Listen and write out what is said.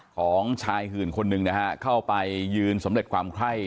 ของชายหื่นคนหนึ่งนะฮะเข้าไปยืนสำเร็จความไข้